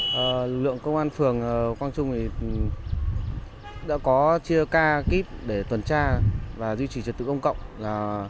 các lực lượng công an phường quang trung đã có chia ca kíp để tuần tra và duy trì trật tự công cộng